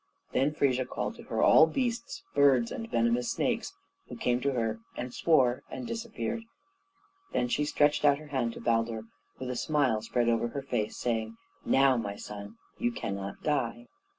Then Frigga called to her all beasts, birds, and venomous snakes, who came to her and swore, and disappeared. Then she stretched out her hand to Baldur, while a smile spread over her face, saying, "Now, my son, you cannot die."